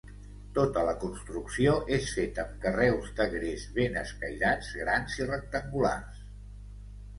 Tota la construcció és feta amb carreus de gres ben escairats, grans i rectangulars.